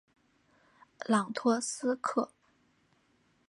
朗托斯克。